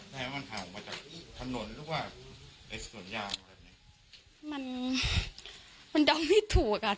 ให้มันห่างมาจากถนนหรือว่าไอ้ส่วนยางอะไรเนี้ยมันมันเดาไม่ถูกอ่ะ